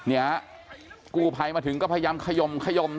เนี่ยกูภัยมาถึงก็พยายามขยม